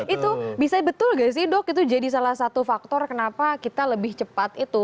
itu bisa betul nggak sih dok itu jadi salah satu faktor kenapa kita lebih cepat itu